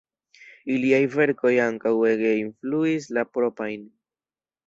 Iliaj verkoj ankaŭ ege influis la proprajn.